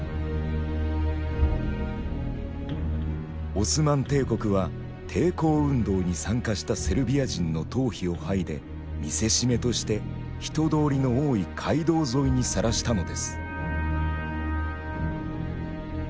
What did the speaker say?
オスマン帝国は抵抗運動に参加したセルビア人の頭皮を剥いで見せしめとして人通りの多い街道沿いにさらしたのです。